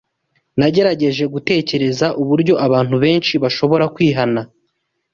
Nagerageje gutekereza uburyo abantu benshi bashobora kwihana